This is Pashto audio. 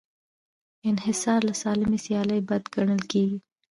انحصار له سالمې سیالۍ بد ګڼل کېږي.